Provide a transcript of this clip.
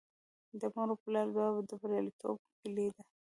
د مور او پلار دعا د بریالیتوب کیلي ده.